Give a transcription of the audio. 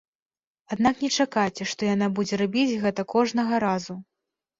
Аднак не чакайце, што яна будзе рабіць гэта кожнага разу!